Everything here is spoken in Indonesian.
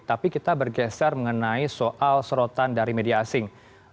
tapi kita bergeser mengenai soal serotan dari media asing